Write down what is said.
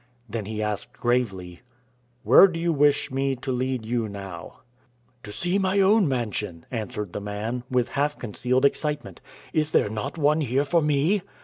Then he asked, gravely: "Where do you wish me to lead you now?" "To see my own mansion," answered the man, with half concealed excitement. "Is there not one here for me?